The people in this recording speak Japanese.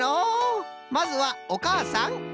まずはおかあさん。